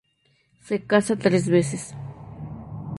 Se casa tres veces.